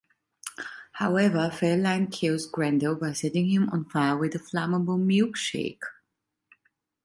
However, Fairlane kills Grendel by setting him on fire with a flammable milk shake.